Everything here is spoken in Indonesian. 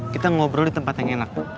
kita ngobrol di tempat yang enak